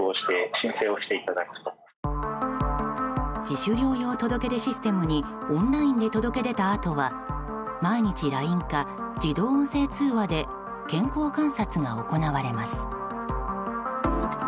自主療養届出システムにオンラインで届け出たあとは毎日ＬＩＮＥか自動音声電話で健康観察が行われます。